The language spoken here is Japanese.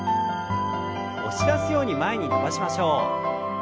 押し出すように前に伸ばしましょう。